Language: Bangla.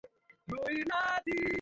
বাদ দাও, সবকটা মরবে!